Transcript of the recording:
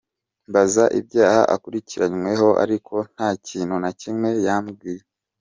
Mbaza ibyaha akurikiranyweho ariko nta kintu na kimwe yambwiye.”